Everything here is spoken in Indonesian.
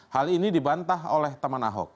hal ini dibantah oleh teman ahok